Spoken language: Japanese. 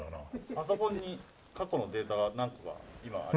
パソコンに過去のデータが何個か今あります。